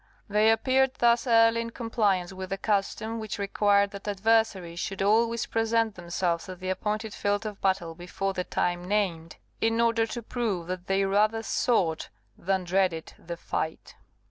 They appeared thus early in compliance with the custom which required that adversaries should always present themselves at the appointed field of battle before the time named, in order to prove that they rather sought than dreaded the fight.